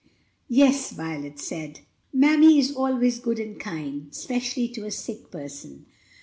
"Yes," Violet said, "mammy is always good and kind, especially to a sick person.